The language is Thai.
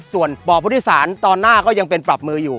ส่วนบ่อพุทธศาลตอนหน้าก็ยังเป็นปรับมืออยู่